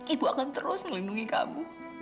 ibu akan terus melindungi kamu